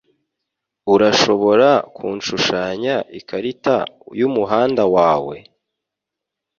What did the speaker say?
Urashobora kunshushanya ikarita yumuhanda wawe?